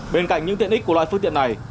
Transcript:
bên cạnh những tiện ích của loại phương tiện này